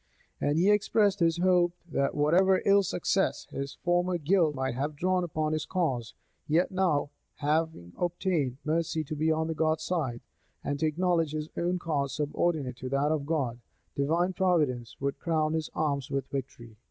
And he expressed his hope, that whatever ill success his former guilt might have drawn upon his cause, yet now, having obtained mercy to be on God's side, and to acknowledge his own cause subordinate to that of God, divine providence would crown his arms with victory.